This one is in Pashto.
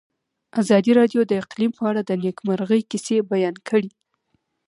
ازادي راډیو د اقلیم په اړه د نېکمرغۍ کیسې بیان کړې.